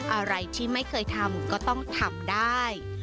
อะไรที่ไม่เคยทำก็ต้องทำได้